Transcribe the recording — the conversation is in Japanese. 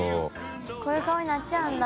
こういう顔になっちゃうんだ。